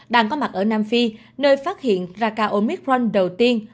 đang có mặt ở nam phi nơi phát hiện raka omicron đầu tiên